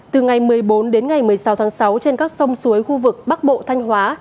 từ ngày một mươi bốn đến ngày một mươi sáu tháng sáu trên các sông suối khu vực bắc bộ thanh hóa